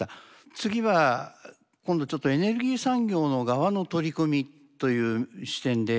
次は今度ちょっとエネルギー産業の側の取り組みという視点で見ていこうと思います。